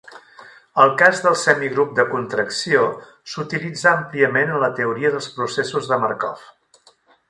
El cas del semigrup de contracció s'utilitza àmpliament en la teoria dels processos de Markov.